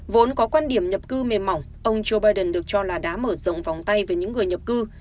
vốn có quan điểm nhập cư mềm mỏng ông joe biden được cho là đã mở rộng vòng tay về những người nhập cư